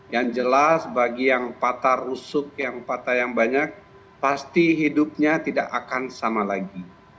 yang jelas bagi yang patah rusuk yang patah yang banyak pasti hidupnya tidak akan sama lagi